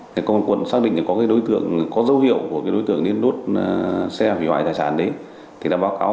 công an quận xác định có dấu hiệu của đối tượng nên đốt xe hủy hoại tài sản đấy